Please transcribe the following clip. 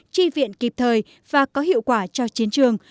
chi viện kịp thời và có hiệu quả cho chiến trường